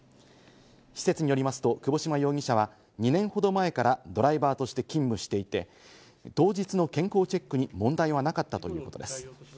施設によりますと、窪島容疑者は２年ほど前からドライバーとして勤務していて、当日の健康チェックに問題はなかったということです。